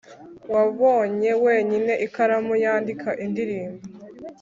wabonye wenyine ikaramu yandika indirimbo